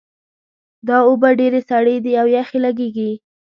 دا اوبه ډېرې سړې دي او یخې لګیږي